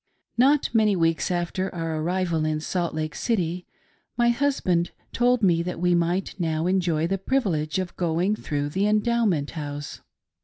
NOT many weeks after our arrival in Salt Lake City, my husband told me that we might now enjoy the privilege of going through the Endowment House.